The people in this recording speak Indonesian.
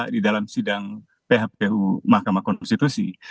di dalam sidang phpu mahkamah konstitusi